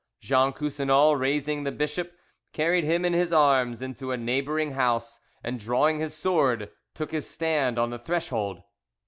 Jean Coussinal raising the bishop, carried him in his arms into a neighbouring house, and drawing his sword, took his stand on the threshold.